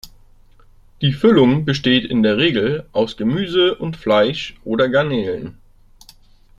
Die Füllung besteht in der Regel aus Gemüse und Fleisch oder Garnelen.